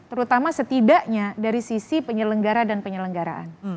terutama setidaknya dari sisi penyelenggara dan penyelenggaraan